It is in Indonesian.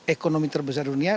dua puluh ekonomi terbesar dunia